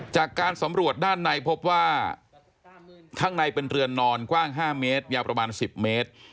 จากการสำรวจด้านในพบว่าข้างในเป็นเรือนนอนกว้าง๕เมตรยาวประมาณ๑๐เมตร